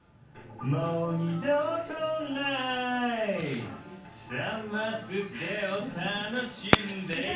もう二度とないサマステを楽しんで！